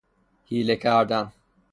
حیله کردن